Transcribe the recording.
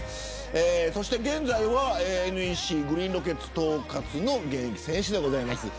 そして現在はＮＥＣグリーンロケッツ東葛の現役選手です。